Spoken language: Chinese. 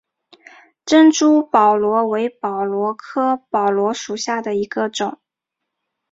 珍珠宝螺为宝螺科宝螺属下的一个种。